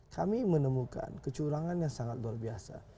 kami menemukan kecurangan yang sangat luar biasa